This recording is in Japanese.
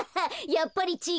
やっぱりちぃ